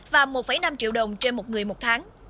và một năm triệu đồng trên một người một tháng